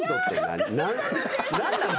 何なの？